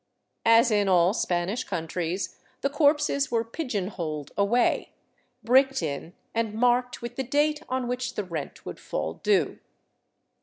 As in all Spanish countries, the corpses were pigeon holed away, bricked in, and marked with the date on which the rent would fall due.